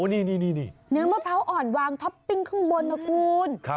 นี่เนื้อมะพร้าวอ่อนวางท็อปปิ้งข้างบนนะคุณ